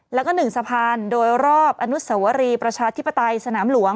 แล้วก็๑สะพานโดยรอบอนุสวรีประชาธิปไตยสนามหลวง